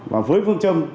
và với phương châm